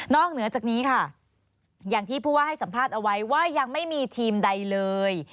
เหนือจากนี้ค่ะอย่างที่ผู้ว่าให้สัมภาษณ์เอาไว้ว่ายังไม่มีทีมใดเลย